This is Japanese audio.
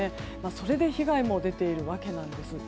それで被害も出ているわけなんです。